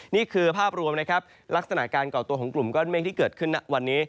นี่คือภาพรวมนะครับลักษณะการก่อตัวของกลุ่มก้อนเมฆที่เกิดขึ้นณวันนี้